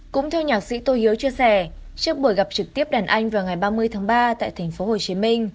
cũng theo nhạc sĩ tô hiếu chia sẻ trước buổi gặp trực tiếp đàn anh vào ngày ba mươi tháng ba tại tp hcm